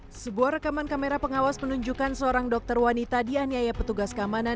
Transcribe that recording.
sebuah rekaman kamera pengawas menunjukkan seorang dokter wanita dianiaya petugas keamanan